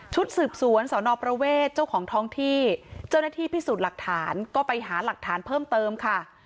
สืบสวนสอนอประเวทเจ้าของท้องที่เจ้าหน้าที่พิสูจน์หลักฐานก็ไปหาหลักฐานเพิ่มเติมค่ะ